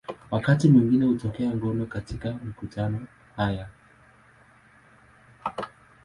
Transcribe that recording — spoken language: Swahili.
Wakati mwingine hutokea ngono katika mikutano haya.